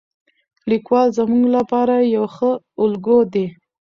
لیکوال زموږ لپاره یو ښه الګو دی.